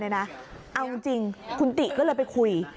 เอาจริงคุณติก็เลยไปคุย